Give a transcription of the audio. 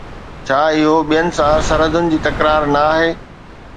ڇا اهو ٻين سان سرحدن جي تڪرار نه آهي؟